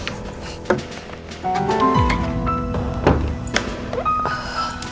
saya di rumah dulu nanti